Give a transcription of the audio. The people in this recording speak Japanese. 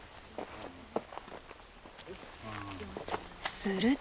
すると。